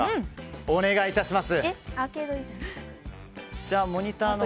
お願いいたします。